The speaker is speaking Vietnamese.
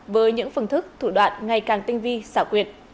với những phương thức thủ đoạn ngày càng tinh vi xảo quyệt